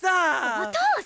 お父さん！